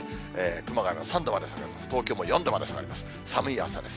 熊谷が３度まで下がります、東京も４度まで下がります。